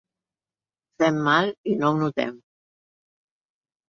Fem mal i no ho notem.